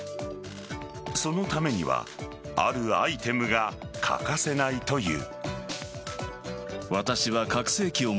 そのためにはあるアイテムが欠かせないという。